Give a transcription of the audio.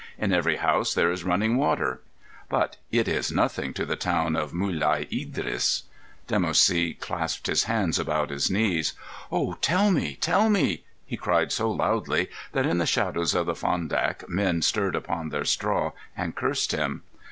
In every house there is running water. But it is nothing to the town of Mulai Idris." Dimoussi clasped his hands about his knees. "Oh, tell me! Tell me!" he cried so loudly that in the shadows of the Fondak men stirred upon their straw and cursed him.